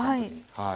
はい。